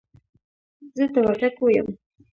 زه د وردګو يم.